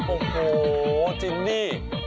โอ้โหจิมนี่